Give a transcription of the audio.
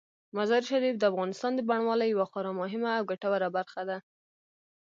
مزارشریف د افغانستان د بڼوالۍ یوه خورا مهمه او ګټوره برخه ده.